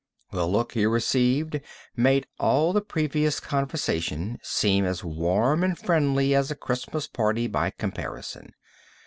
The look he received made all the previous conversation seem as warm and friendly as a Christmas party by comparison.